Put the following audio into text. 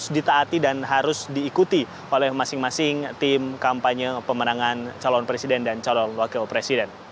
harus ditaati dan harus diikuti oleh masing masing tim kampanye pemenangan calon presiden dan calon wakil presiden